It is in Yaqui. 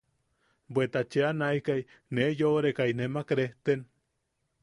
Bweta cheʼaneakai nee yoʼorekai nemak rejten.